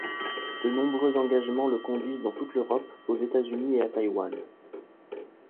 De nombreux engagements le conduisent dans toute l’Europe, aux États-Unis et à Taiwan.